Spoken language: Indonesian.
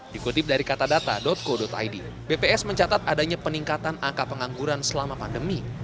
dikutip dari katadata co id bps mencatat adanya peningkatan angka pengangguran selama pandemi